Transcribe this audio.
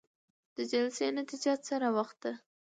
د جلسې نتيجه څه راوخته؟